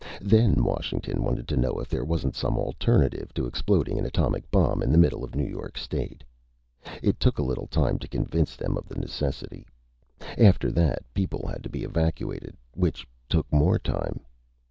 Then Washington wanted to know if there wasn't some alternative to exploding an atomic bomb in the middle of New York State. It took a little time to convince them of the necessity. After that, people had to be evacuated, which took more time.